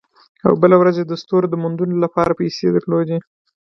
او بله ورځ یې د ستورو د موندلو لپاره پیسې درلودې